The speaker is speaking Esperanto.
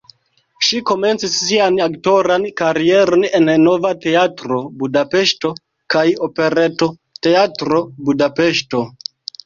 Ŝi komencis sian aktoran karieron en Nova Teatro (Budapeŝto) kaj Operetoteatro (Budapeŝto).